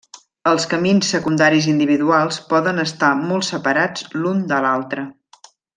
Els camins secundaris individuals poden estar molt separats l'un de l'altre.